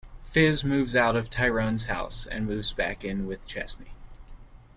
Fiz moves out of Tyrone's house and moves back in with Chesney.